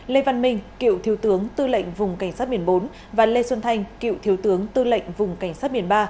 lê văn minh cựu thiếu tướng tư lệnh vùng cảnh sát biển bốn và lê xuân thanh cựu thiếu tướng tư lệnh vùng cảnh sát biển ba